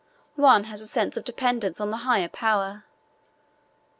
One has a sense of dependence on the higher Power.